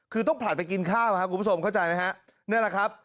คือต้องผลัดไปกินข้าวครับคุณผู้ชมเข้าใจไหมฮะนี่แหละครับ